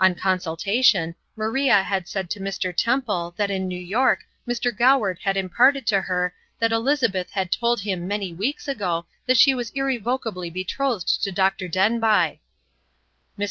On consultation, Maria had said to Mr. Temple that in New York Mr. Goward had imparted to her that Elizabeth had told him many weeks ago that she was irrevocably betrothed to Dr. Denbigh. Mr.